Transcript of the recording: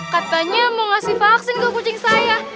katanya mau ngasih vaksin ke kucing saya